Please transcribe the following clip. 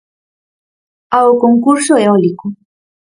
Ao concurso eólico.